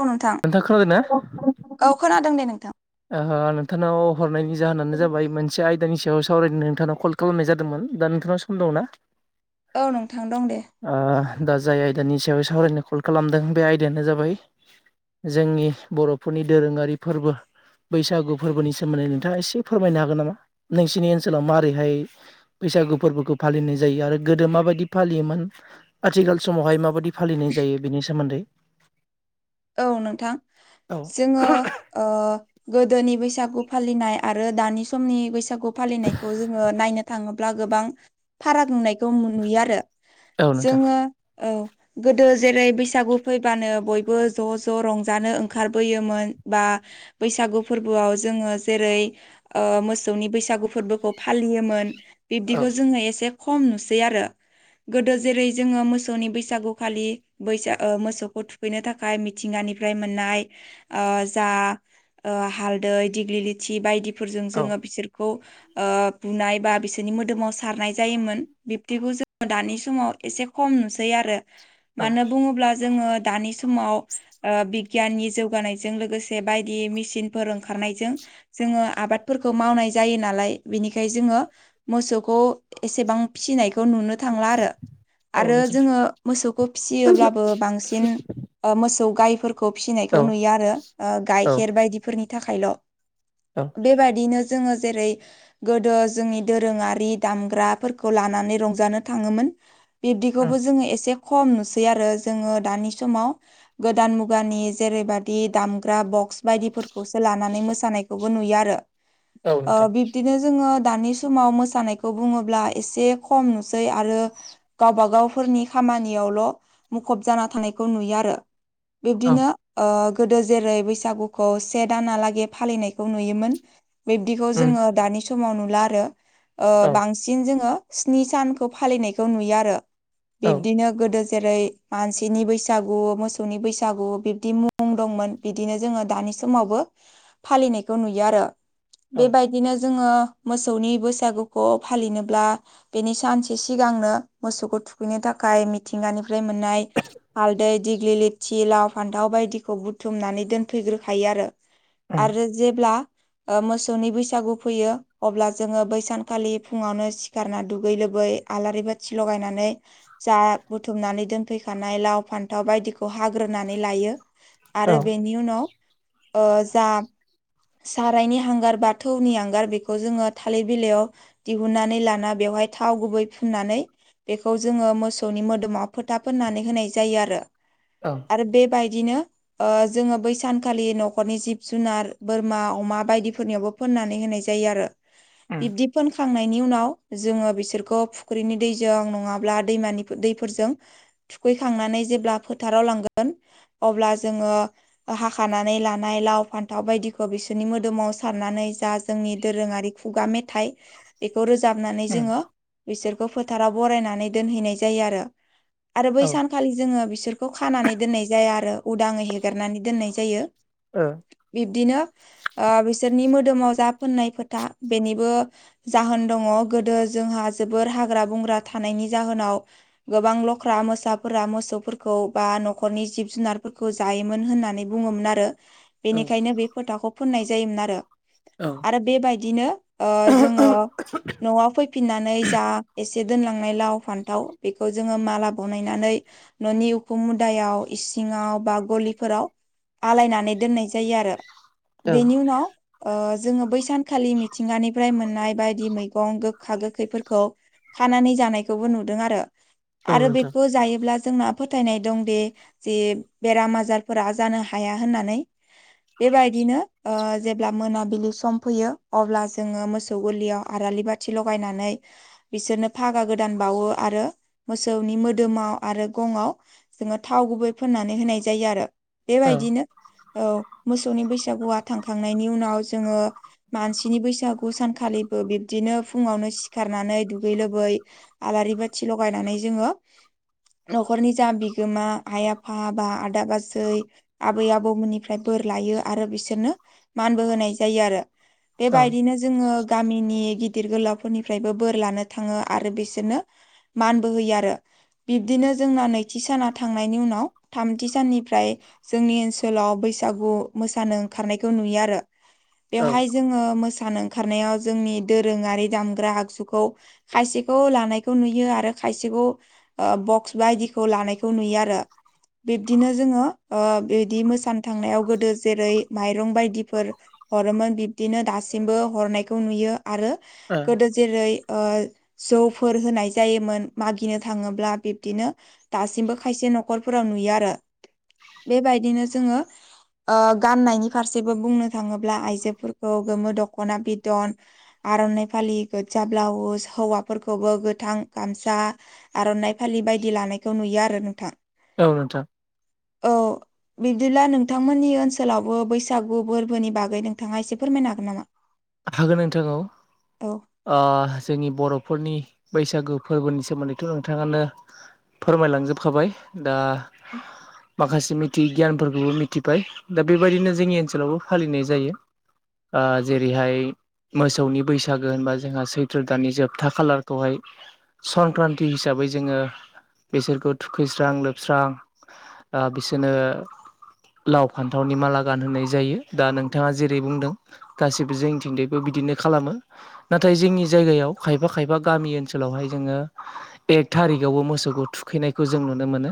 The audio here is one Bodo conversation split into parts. औ नोंथां खोनादों ना औ खोनादों दे नोंथां ओ नोंथांनाव हरनायनि जाहोनानो जाबाय मोनसे आयदानि सायाव सावरायनो नोंथांनाव कल खालामनाय जादोंमोन दा नोंथांनाव सम दं ना? औ नोंथां दं दे। ओ दा जाय आयदानि सायाव सावरायनो कल खालामदों बे आयदायानो जाबाय जोंनि बर'फोरनि दोरोङारि फोरबो बैसागु फोरबोनि सोमोन्दै नोंथाङा एसे फोरमायनो हागोन नामा नोंसिनि ओनसोलाव मारैहाय बैसागु फोरबोखौ फालिनाय जायो आरो गोदो माबायदि फालियोमोन आथिखाल समावहाय माबायदि फालिनाय जायो बेनि सोमोन्दै औ नोंथां औ जोङो ओ गोदोनि बैसागु फालिनाय आरो दानि समनि बैसागु फालिनायखौ जोङो नायनो थाङोब्ला गोबां फाराग नुनाय दं नुयो आरो औ नोंथां जोङो औ गोदो जेरै बैसागु फैबानो बयबो ज' ज' रंजानो ओंखारबोयोमोन बा बैसागु फोरबोआव जोङो जेरै ओ मोसौनि बैसागु फोरबोखौ फालियोमोन औ बिब्दिखौ जोङो एसे खम नुसै आरो गोदो जेरै जोङो मोसौनि बैसागुखालि बैसा ओ मोसौखौ थुखैनो थाखाय खाय मिथिंगानिफ्राय मोननाय ओ जा ओ हालदै दिग्लि लिथि बायदिफोरजों औ जोङो बिसोरखौ ओ बुनाय बा बिसोरनि मोदोमाव सारनाय जायोमोन बिब्दिखौ जोङो दानि समाव एसे खम नुसै आरो औ मानो बुङोब्ला जोङो दानि समाव ओ बिगियाननि जौगानायजों लोगोसे बायदि मेसिनफोर ओंखारनायजों जोङो आबादफोरखौ मावनाय जायो नालाय बिनिखाय जोङो मोसौखौ एसेबां फिसिनायखौ नुनो थांला आरो औ आरो नोंथां जोङो मोसौखौ फिसियोब्लाबो बांसिन मोसौ गायफोरखौ औ फिसिनायखौ नुयो आरो ओ औ गाइखेर बायदिफोरनि थाखायल' औ बेबायादिनो जोङो जेरै गोदो जोंनि दोरोङारि दामग्राफोरखौ लानानै रंजानो थाङोमोन बिब्दिखौबो जोङो एसे खम नुसै आरो जोङो दानि समाव गोदान मुगानि जेरैबादि दामग्रा बक्स बायदिफोरखौसो लानानै मोसानाय खौबो नुयो आरो औ ओ नोंथां बिबदिनो जोङो दानि समाव मोसानायखौ बुङोब्ला एसे खम नुसै आरो गावबागावफोरनि खामानियावल' मुखुब जाना थानायखौ नुयो आरो औ बिब्दिनो ओ गोदो जेरै बैसागुखौ से दानालागै फालिनायखौ नुयोमोन बिब्दिखौ उम जोङो दानि समाव नुला आरो ओ औ बांस सिन जोङो स्नि सानखौ फालिनायखौ नुयो आरो बिब्दिनो गोदो जेरै मानसिनि बैसागु मोस सौनि बैसागु बिब्दि मुं दंमोन बिदिनो जोङो दानि समावबो फालिनायखौ नुयो आरो औ बेबायदिनो जोङो मोसौनि बैसागुखौ फालिनोब्ला बेनि सानसे सिगांनो मोसौखौ थुखैनो थाखाय मिथिंगानिफ्राय मोननाय हालदै दिग्ललि थि लाव फान्थाव बायदिखौ बुथुमनानै दोनफैग्रोखायो आरो उम आरो जेब्ला ओ मोसौनि बैसागु फैयो अब्ला जोङो बैसानखालि फुङावनो खारना दुगै लोबै आलारि बाथि लगायनानै जा बुथुमनानै दोनफैखानाय लाव फान्थाव बायदिखौ हाग्रोनानै लायो आरो औ बेनि उनाव ओ जा सारायनि हांगार बा थौनि हांगार बेखौ जोङो थालिर बिलायाव दिहुननानै लाना बेवहाय थाव गुबै फुननानै बेखौ जोङो मोसौनि मोदोमाव फोथा फोननानै होनाय जायो आरो औ आरो बेबायदिनो ओ जोङो बै सानखालि न'खरनि जिब जुनार बोरमा अमा बायदिफोरनियावबो फोननानै होनाय जायो आरो उम बिब्दि फोनखांनायनि उनाव जोङो बिसोरखौ फुख्रिनि दैजों नङाब्ला दैमानि दैफोरजों थुखैखांनानै जेब्ला फोथाराव लांगोन अब्ला जोङो हाखानानै लानाय लाव फान्थाव बायदिखौ बिसोरनि मोदोमाव साननानै जा जोंनि दोरोङारि खुगा मेथाय बेखौ रोजाबनानै उम जोङो बिसोरखौ फोथाराव बरायनानै दोनहैनाय जायो आरो। आरो बै औ ओ सानखालि जोङो बिसोरखौ खानानै दोननाय जाया आरो उदाङै हेगारनानै दोननाय जायो। ओ बिब्दिनो ओ बिसोरनि मोदोमाव जा फोननाय फोथा बेनिबो जाहोन दङ गोदो जोंहा जोबोर हाग्रा बंग्रा थानायनि जाहोनाव गोबां लख्रा मोसाफोरा मोसौफोरखौ खौ बा न'खरनि जिब जुनारफोरखौ जायोमोन होननानै बुङोमोन आरो। औ बेनिखायनो बे फोथाखौ फुननाय जायोमोन आरो। औ आरो बेबायदिनो ओ जोङो न'आव फैफिननानै जा ए एसे दोनलांनाय लाव फान्थाव बेखौ जोङो माला बनायनानै न'नि उखुम मुदायाव इसिङाव बा गलिफोराव आलायनानै दोननाय जायो आरो औ बेनि उनाव ओ जोङो बै सानखालि मिथिंगानिफ्राय मोननाय बायदि मैगं गोखा गोखैफोरखौ खानानै जानायखौबो नुदों आरो आरो नोंथां बेखौ जायोब्ला जोंना फोथायनाय दंदि जे बेराम आजारफोरा जानो हाया होननानै बेबायदिनो ओ जेब्ला मोनाबिलि सम फैयो अब्ला जोङो मोसौ गलियाव आरालि बा थि लगायनानै बिसोरनो फागा गोदान बावो आरो मोसौनि मोदोमाव आरो गंआव जोङो थाव गुबै फोननानै होनाय जायो आरो औ बेबायदिनो औ मोसौनि बैसागुआ थांखांनायनि उनाव जोङो मानसिनि बैसागु सानखालिबो बिब्दिनो फुङावनो सिखारनानै दुगै लोबै आलारि बाथि लगायनानै जोङो न'खरनि जा बिगोमा आइ आफा बा आदा बाजै आबै आबौमोननिफ्राय बोर लायो आरो बिसोरनो मानबो होनाय जायो आरो। औ बेबायदिनो जोङो गामिनि गिदिर गोलावफोरनिफ्रायबो बोर लानो थाङो आरो बिसोरनो मानबो होयो आरो बिब्दिनो जोंना नै थामथि साना थांनायनि उनाव थामथि साननिफ्राय जोंनि ओनसोलाव बैसागु मोसानो ओंखारनायखौ नुयो आरो। बेवहाय ओ जोङो मोसानो ओंखारनायाव जोंनि दोरोङारि दामग्रा आगजुखौ खायसेखौ लानायखौ नुयो आरो खायसेखौ ओ बक्स बायदि लानायखौ नुयो आरो बिब्दिनो जोङो ओ बिदि मोसा थांनायाव गोदो जेरै माइरं बायदिफोर हरोमोन बिब्दिनो दासिमबो हरनायखौ नुयो आरो गोदो जेरै ओ जौफोर होनाय जायोमोन मागिनो थाङोब्ला बिब्दिनो दासिमबो खायसे न'खरफोराव नुयो आरो बेबायदिनो जोङो ओ गाननायनि फारसेबो बुंनो थाङोब्ला आइजोफोरखौ गोमो दख'ना बिदन आरनाय' फालि गोजा ब्लाउस हौवाफोरखौबो गोथां गामसा आर'नाइ फालि बायदि लानायखौ नुयो आरो नोंथां। औ नोंथां औ बिब्दिब्ला नोंथांमोननि ओनसोलावबो बैसागु फोरबोनि बागै नोंथाङा एसे फोरमायनो हागोन नामा? [inaudible] हागोन नोंथां औ औ ओ जोंनि बर'फोरनि बैसागु फोरबोनि सोमोन्दैथ' नोंथाङानो फोरमायलांजोबखाबाय दा माखासे मिथियै गियानफोरखौबो मिथिबाय दा बेबायदिनो जोंनि ओनसोलावबो फालिनाय जायो जे रैहाय मोसौनि बैसागो होनबा जोंहा सैथ्र' दानानि जोबथा खालारखौहाय संक्रान्ति हिसाबै जोङो बिसोरखौ थुखैस्रां लोबस्रां आ‌ बिसोरनो लाव फान्थावनि माला गानहोनाय जायो दा नोंथाङा जेरै बुंदों। गासैबो जोंथिंदैबो बिदिनो खालामो नाथाय जोंनि जायगायाव खायफा खायफा गामि ओनसोलावहाय जोङो एक थारिकावबो मोसौखौ थुखैनायखौ जों नुनो मोनो।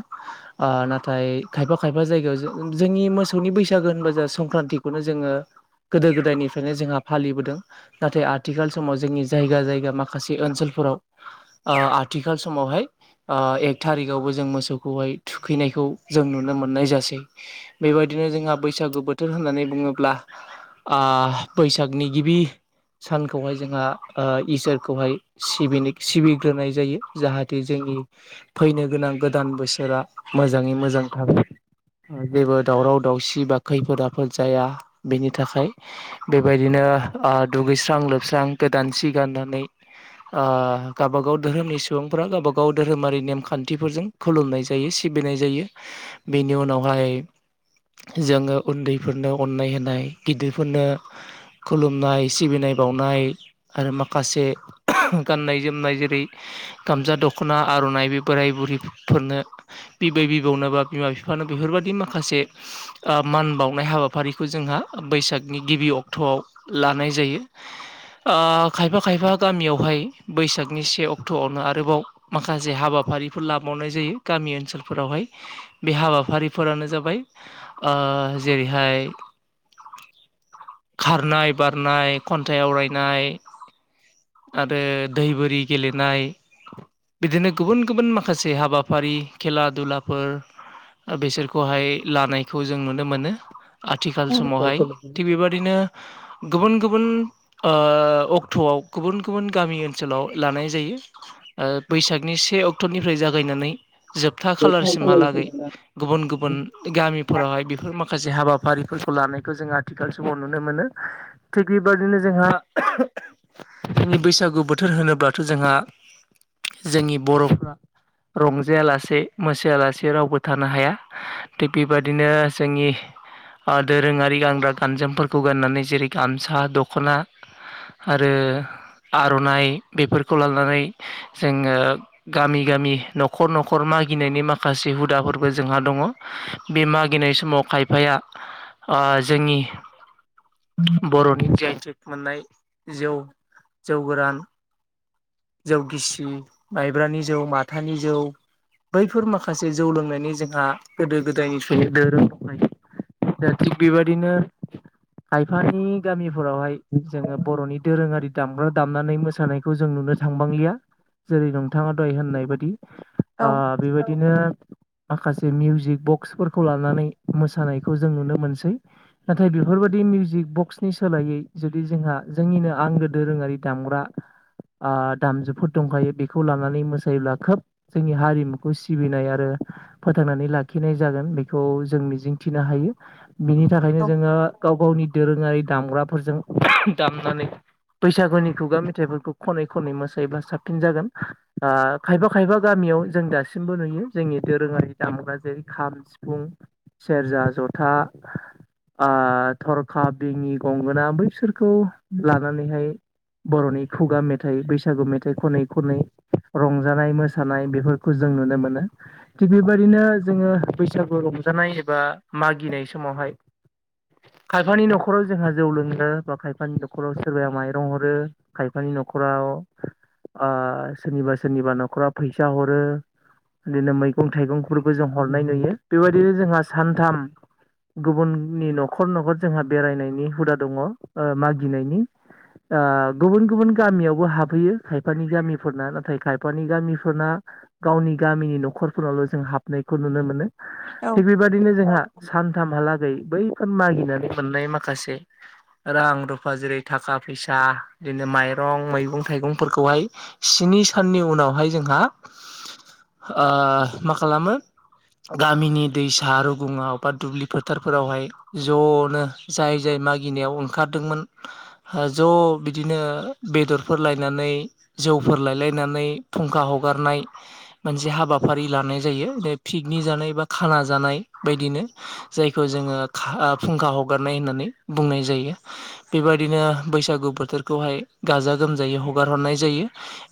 नाथाय खायफा खायफा जायगायाव जोंनि मोसौनि बैसागो होनब जों संक्रान्तिखौनो जोङो गोदो गोदायनि फ्रायनो जोंहा फालिबोदों नाथाय आथिखाल समाव जोंनि जायगा जायगा माखासे ओनसोलफोराव आथिखाल समावहाय आ एक थारिकावबो जों मोसौखौहाय थुखैनायखौ जों नुनो मोननाय जासै बेबायदिनो जोंहा बैसागु बोथोर होननानै बुङोब्ला आ बैसागनि गिबि सानखौहाय जोंहा इसोरखौहाय सिबिग्रोनाय जायो जाहाथे जोंनि फैनो गोनां गोदान बोसोरा मोजाङै मोजां थागोन। जेबो दावराव दावसि बा खैफोद आफोद जाया बेनि थाखाय बेबायदिनो दुगैस्रां लोबस्रां गोदान सि गाननानै गावबागाव धोरोमनि सुबुंफ्रा गावबाागाव धोरोमारि नेमखान्थिफोरजों खुलुमनाय जायो सिबिनाय जायो बेनि उनावहाय जोङो उन्दैफोरनो अननाय होनाय गिदिरफोरनो खुलुमनाय सिबिनाय बावनाय आरो माखासे गाननाय जोमनाय जेरै गामजा दख'ना आर'नाइ बे बोराय बुरैफोरनो बिबै बिबौनो बा बिमा बिफानो बेफोरबायाददि माखासे मान बावनाय हाबाफारिखौ जोंहा बैसागनि गिबियाव अक्ट'आव लानाय जायो। खायफा खायफा गामियावहाय बैसागनि से अक्ट'आवनो आरोबाव माखासे हाबाफारिफोर लाबावनाय जायो गामि ओनसोलफोरावहाय बे हाबाफारिफोरानो जाबाय जेरैहाय खारनाय बारनाय खन्थाइ आवरायनाय आरो दै बोरि गेलेनाय बिदिनो गुबुन गुबुन माखासे हाबाफारि खेला दुलाफोर बेसोरखौहाय लानायखौ जों नुनो मोनो आथिखाल समावहाय थिग बेबा ओरैनो गुबुन गुबुन अक्ट'आव गुबुन गुबुन गामि ओनसोलाव लानाय जायो। बैसागनि से अक्ट'निफ्राय जागायनानै जोबथा खालारसिमहालागै। गुबुन गुबुन गामिफोरावहाय बेफोर माखासे हाबाफारिफोरखौ लानायखौ जों आथिखाल समाव नुनो मोनो थिग बेबादिनो जोंहा जोंनि बैसागु बोथोर होनोब्लाथ' जोंहा जोंनि बर'फ्रा रंजायालासे मोसायालासे रावबो थानो हाया‌। थिग बेबायदिनो जोंनि दोरोङारि गानग्रा गानजोमफोरखौ गाननानै जेरै गामसा दख'ना आरो आर'नाइ बेफोरखौ लानानै जोङो गामि गामि न'खर न'खर मागिनायनि माखासे हुदाफोरबो जोंहा दङ। बे मागिनाय समाव खायफाया जोंनि बर'नि जाय थेक मोननाय जौ जौ गोरान जौ गिसि माइब्रानि जौ माथानि जौ बैफोर माखासे जौ लोंनायनि जोंहा गोदो गोदायनि [unintelligible] दा थिग बेबायदिनो खायफानि गामिफोरावहाय जोङो बर'नि दोरोङारि दामग्रा दामनानै मोसानायखौ जों नुनो थांबांलिया जेरै नोंथाङा दाहाय होननाय बायदि औ बेबायदिनो माखासे मिउजिक बक्सफोरखौ लानानै मोसानायखौ जों नुनो मोनसै नाथाय बेफोरबायदि मिउजिक बक्सनि सोलायै जुदि जोंहा जोंनिनो आंगो दोरोङारि दामग्रा आ दामजुफोर दंखायो बेखौ लानानै मोसायोब्ला खोब जोंनि हारिमुखौ सिबिनाय आरो फोथांनानै लाखिनाय जागोन बेखौ जों मिजिंथिनो हायो बिनि थाखायनो औ जोङो गाव गावनि दोरोङारि दामग्राफोरजों दामनानै बैसागुनि खुगा मेथाइफोरखौ खनै खनै मोसायोब्ला साबसिन जागोन आ खायफा खायफा गामियाव जों दासिमबो नुयो जोंनि दोरोङारि दामग्रा जेरै खाम सिफुं सेरजा जथा आ थरखा बिनि गंगोना बैसोरखौ लानानैहाय बर'नि खुगा मेथाइ बैसागु मेथाइ खनै खनै रंजानाय मोसानाय बेफोरखौ जों नुनो मोनो थिग बेबायदिनो जोङो बैसागु रंजानाय एबा मागिनाय समावहाय खायफानि नखराव जोंहा जौ लोङो बा खायफानि न'खराव सोरबाया माइरं हरो खायफा फानि न'खराव ओ सोरनिबा सोरनिबा न'खरा फैसा हरो बिदिनो मैगं थाइगंफोरखौ जों हरनाय नुयो बेबायदिनो जोंहा सानथाम गुबुननि न'खर न'खर जोंहा बेरायनायनि हुदा दङ ओ मागिनायनि आ गुबुन गुबुन गामियावबो हाबहैयो खायफानि गामिफोरना नाथाय खायफानि गामिफोरना गावनि गामिनि न'खरफोरनावल' जों हाबनायखौ नुनो मोनो औ थिग बेबा दिनो जोंहा सानथामहालागै बैफोर मागिनानै मोननाय माखासे रां रुफा जेरै थाखा फैसा बिदिनो माइरं मैगं थाइगंफोरखौहाय स्नि साननि उनावहाय जोंहा ओ मा खालामो गामिनि दैसा रुगुङाव बा दुब्लि फोथारफोरावहाय ज'नो जाय जाय मागिनायाव ओंखारदोंमोन ज' बि बिदिनो बेदरफोर लायनानै जौफोर लायलायनानै फुंखा हगारनाय मोनसे हाबाफारि लानाय जायो पिकनिक जानाय बा खाना जानाय बायदिनो जायखौ जोङो खा फुंखा हगारनाय होननानै बुंनाय जायो बेबायदिनो बैसागु बोथोरखौहाय गाजा गोमजायै हगार हरनाय जायो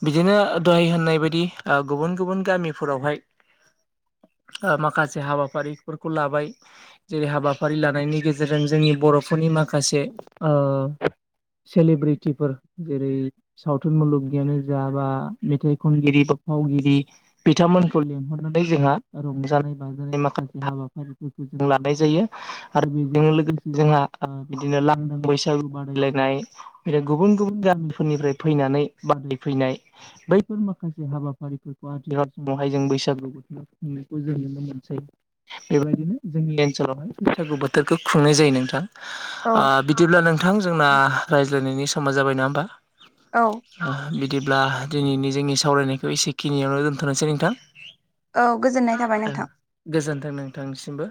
बिदिनो दहाय होननाय बायदि ओ गुबुन गुबुन गामिफोरावहाय ओ माखासे हाबाफारिफोरखौ लाबाय जेरै हाबाफारि लानायनि गेजेरजों जोंनि बर'फोरनि माखासे ओ सेलेब्रिटिफोर जेरै सावथुन मुलुगनियानो जा बा मेथाइ खनगिरि बा फावगिरि बिथांमोनखौ [unintelligible] जोंहा [unintelligible] लानाय जायो आरो बेजोंनो लोगोसे जोंहा बिदिनो लांदां बैसागु बादायलायनाय फ्राय गुबुन गुबुन गामिफोरनिफ्राय फैनानै बादाय फैनाय बैफोर माखासे हाबाफारिफोरखौ [unintelligible] समावहाय जों बैसागु खुंनायखौ जों नुनो मोनसै बेबायदिनो जोंनि ओनसोलावहाय बैसागु बोथोरखौ खुंनाय जायो नोंथां औ ओ बिदिब्ला नोंथां जोंना रायज्लायनायनि समा जाबाय नङा होमबा औ बिदिब्ला दिनैनि जोंनि सावरायनायखौ एसेखिनियावनो दोन्थ'नोसै नोंथां औ गोजोननाय थाबाय नोंथां गोजोन्थों नोंथांनिसिमबो